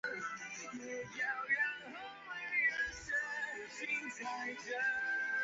甘基当镇为缅甸伊洛瓦底省勃生县的行政区。